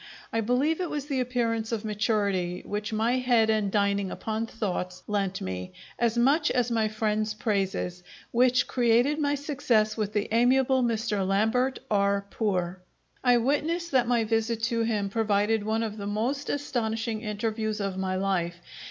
I believe it was the appearance of maturity which my head and dining upon thoughts lent me, as much as my friend's praises, which created my success with the amiable Mr. Lambert R. Poor. I witness that my visit to him provided one of the most astonishing interviews of my life.